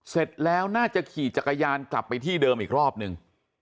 เสร็จแล้วน่าจะขี่จักรยานกลับไปที่เดิมอีกรอบนึง